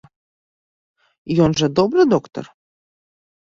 Ён жа добры доктар?